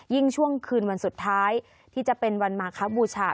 ช่วงคืนวันสุดท้ายที่จะเป็นวันมาครับบูชา